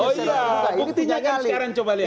oh iya buktinya kan sekarang coba lihat